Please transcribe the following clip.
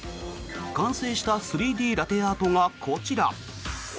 完成した３Ｄラテアートがこちら。